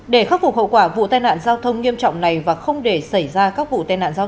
để khắc phục hậu quả vụ tai nạn giao thông nghiêm trọng này và không để xảy ra các vụ tai nạn giao